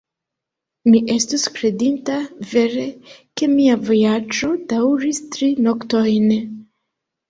Mi estus kredinta, vere, ke mia vojaĝo daŭris tri noktojn.